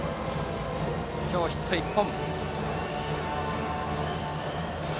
今日はヒット１本。